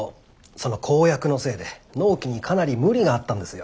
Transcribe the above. その公約のせいで納期にかなり無理があったんですよ。